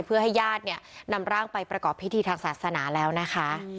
เพื่อให้ญาติเนี่ยนำร่างไปประกอบพิธีทางศาสนาแล้วนะคะ